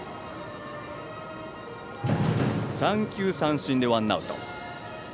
三球三振でワンアウト。